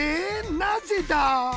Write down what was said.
なぜだ！？